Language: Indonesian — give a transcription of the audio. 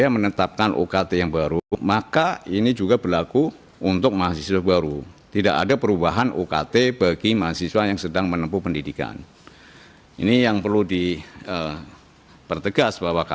kenapa karena bagi saya